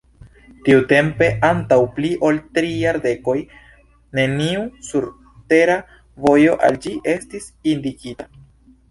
Tiutempe, antaŭ pli ol tri jardekoj, neniu surtera vojo al ĝi estis indikita.